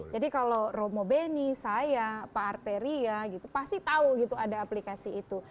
jadi kalau romo beni saya pak arteria pasti tahu ada aplikasi itu